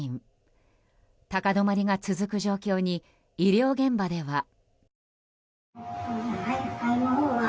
高止まりが続く状況に医療現場では。